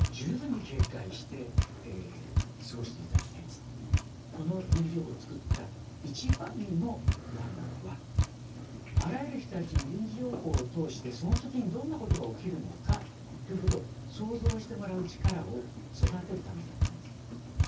ですからこの臨時情報を作った一番の眼目はあらゆる人たちに臨時情報を通してその時にどんなことが起きるのかということを想像してもらう力を育てるためだったんです。